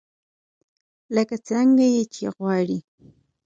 لکه څرنګه يې چې غواړئ.